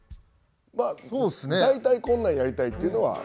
大体こんなんやりたいというのは。